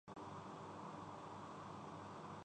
یہی ایک مہذب معاشرے کی پہچان ہے۔